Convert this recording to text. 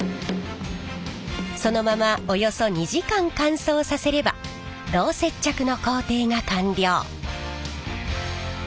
そのままおよそ２時間乾燥させれば胴接着の工程が完了。